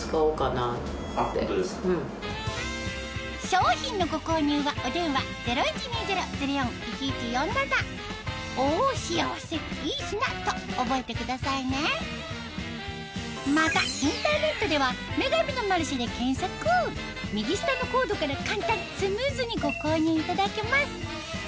商品のご購入はお電話０１２０−０４−１１４７と覚えてくださいねまたインターネットでは右下のコードから簡単スムーズにご購入いただけます